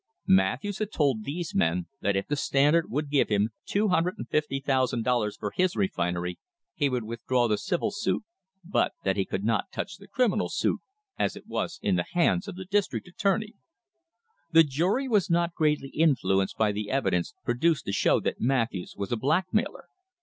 Matthews had told these men that if the Standard would give him $250,000 for his refinery, he would withdraw the civil suit, but that he could not touch the criminal suit, as it was in the hands of the district attorney. The jury was not greatly influenced by the evidence produced to show that Matthews was a blackmailer.